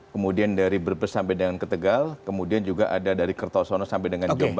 kemudian dari brebes sampai dengan ke tegal kemudian juga ada dari kertosono sampai dengan jombang